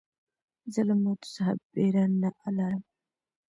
زه له ماتو څخه بېره نه لرم.